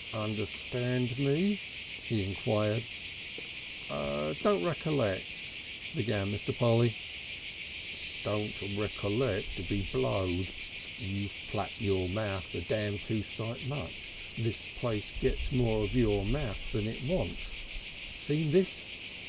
"Understand me?" he enquired. "Don't recollect," began Mr. Polly. "Don't recollect, be blowed! You flap your mouth a dam sight too much. This place gets more of your mouth than it wants.... Seen this?"